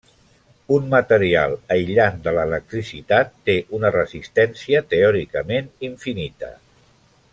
Un material aïllant de l'electricitat té una resistència teòricament infinita.